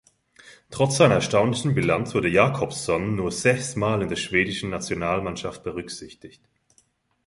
Trotz seiner erstaunlichen Bilanz wurde Jacobsson nur sechs Mal in der schwedischen Nationalmannschaft berücksichtigt.